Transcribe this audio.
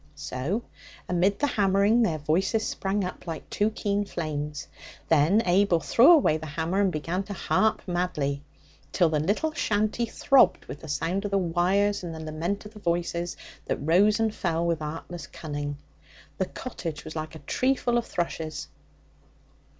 So amid the hammering their voices sprang up, like two keen flames. Then Abel threw away the hammer and began to harp madly, till the little shanty throbbed with the sound of the wires and the lament of the voices that rose and fell with artless cunning. The cottage was like a tree full of thrushes.